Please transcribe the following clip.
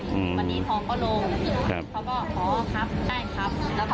อืมอืมวันนี้ทองก็ลงครับเขาก็พอครับได้ครับ